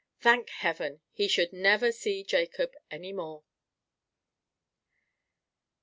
Thank heaven, he should never see Jacob any more!